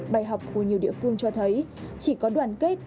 bài học của nhiều địa phương cho thấy chỉ có đoàn kết